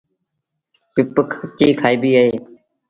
پپ ڪچيٚ کآئيٚبيٚ اهي۔